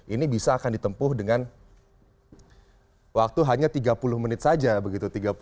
ini bisa akan ditempuh dengan waktu hanya tiga puluh menit saja begitu